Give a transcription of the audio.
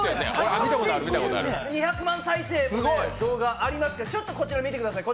２００万再生の動画ありますからちょっとこちら見てください。